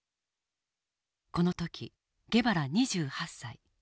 この時ゲバラ２８歳。